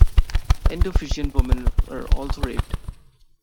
Indo-Fijian women were also raped.